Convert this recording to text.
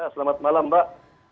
selamat malam mbak